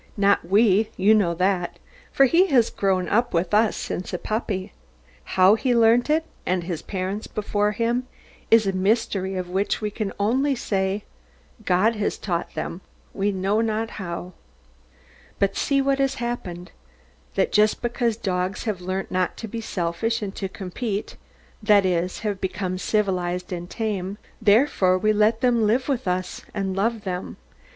Not we, you know that, for he has grown up with us since a puppy. How he learnt it, and his parents before him, is a mystery, of which we can only say, God has taught them, we know not how. But see what has happened that just because dogs have learnt not to be selfish and to compete that is, have become civilised and tame therefore we let them live with us, and love them.